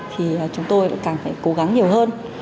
thì chúng tôi lại càng phải cố gắng nhiều hơn